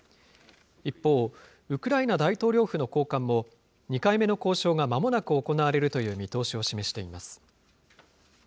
一方、ウクライナ大統領府の高官も、２回目の交渉がまもなく行われるという見通しを示しています。